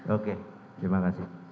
oke terima kasih